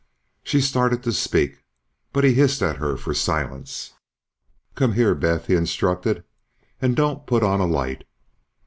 She started to speak, but he hissed at her for silence. "Come here, Beth," he instructed, "and don't put on a light."